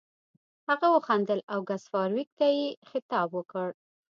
هغه وخندل او ګس فارویک ته یې خطاب وکړ